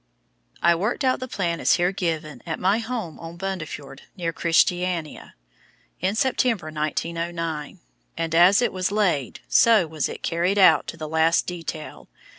I worked out the plan, as here given, at my home on Bundefjord, near Christiania, in September, 1909, and as it was laid, so was it carried out to the last detail.